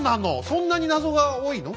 そんなに謎が多いの？